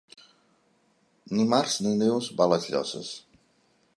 Dimarts na Neus va a les Llosses.